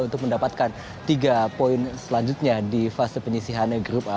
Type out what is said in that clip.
untuk mendapatkan tiga poin selanjutnya di fase penyisihan grup a